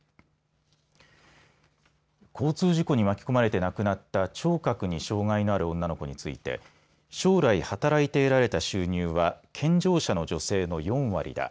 交通事故に巻き込まれて亡くなった聴覚に障害のある女の子について将来、働いて得られた収入は健常者の女性の４割だ。